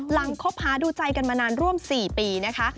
คบหาดูใจกันมานานร่วม๔ปีนะคะ